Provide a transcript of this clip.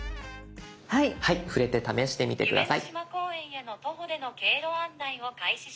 触れて試してみて下さい。